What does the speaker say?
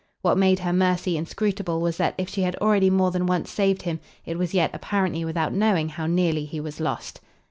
What made her mercy inscrutable was that if she had already more than once saved him it was yet apparently without knowing how nearly he was lost.